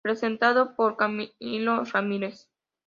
Presentado por Camilo Ramírez.